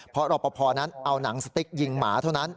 เพราะรอปภนั้นเอาหนังสติ๊กยิงหมาเท่านั้น